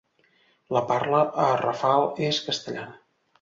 La parla, a Rafal, és castellana.